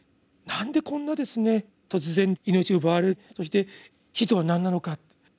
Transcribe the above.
何でこんな突然命を奪われるそして死とは何なのかと。